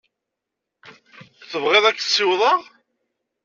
Tebɣiḍ ad k-ssiwḍeɣ?